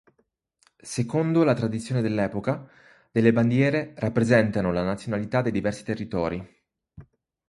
Secondo la tradizione dell'epoca, delle bandiere rappresentano la nazionalità dei diversi territori.